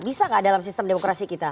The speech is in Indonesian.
bisa nggak dalam sistem demokrasi kita